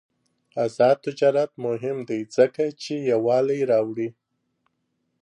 آزاد تجارت مهم دی ځکه چې یووالي راوړي.